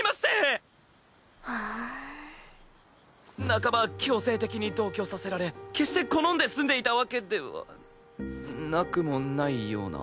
半ば強制的に同居させられ決して好んで住んでいたわけではなくもないような？